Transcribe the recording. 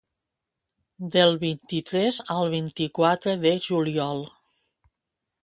Del vint-i-tres al vint-i-quatre de juliol.